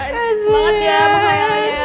kasih semangat ya mengkhayalnya